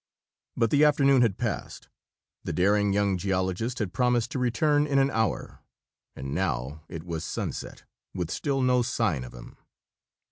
But the afternoon had passed; the daring young geologist had promised to return in an hour; and now it was sunset, with still no sign of him.